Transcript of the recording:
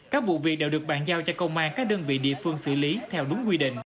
các vụ việc đều được bàn giao cho công an các đơn vị địa phương xử lý theo đúng quy định